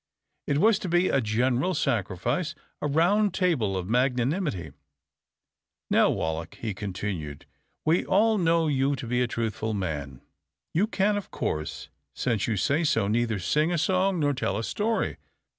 It was to be a general sacrifice, a round table of magnanimity. "Now, Wallack," he continued, "we all know you to be a truthful man. You can, of course, since you say so, neither sing a song nor tell a story.